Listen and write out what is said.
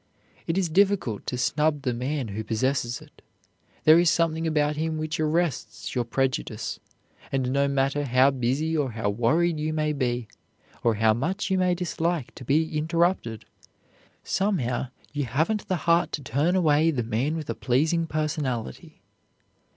It is difficult to snub the man who possesses it. There is something about him which arrests your prejudice, and no matter how busy or how worried you may be, or how much you may dislike to be interrupted, somehow you haven't the heart to turn away the man with a pleasing personality.